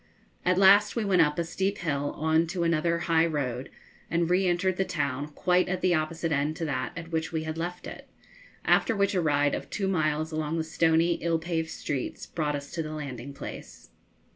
At last we went up a steep hill on to another high road, and re entered the town quite at the opposite end to that at which we had left it, after which a ride of two miles along the stony, ill paved streets brought us to the landing place.